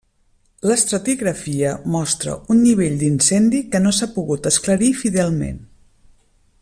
L'estratigrafia mostra un nivell d'incendi que no s'ha pogut esclarir fidelment.